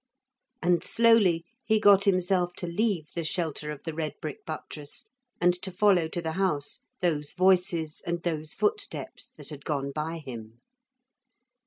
And slowly he got himself to leave the shelter of the red brick buttress and to follow to the house those voices and those footsteps that had gone by him.